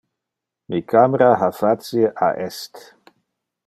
Mi camera ha facie a est.